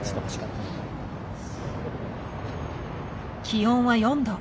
気温は４度。